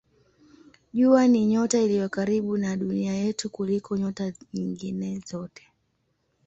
Jua ni nyota iliyo karibu na Dunia yetu kuliko nyota nyingine zote.